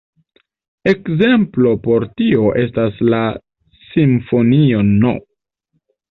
Ekzemplo por tio estas la simfonio no.